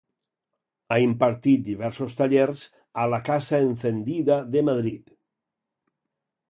Ha impartit diversos tallers a La Casa Encendida de Madrid.